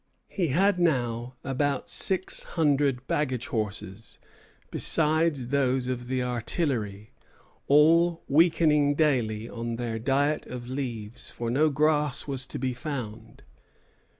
He had now about six hundred baggage horses, besides those of the artillery, all weakening daily on their diet of leaves; for no grass was to be found.